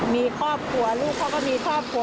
มีครอบครัวลูกเขาก็มีครอบครัว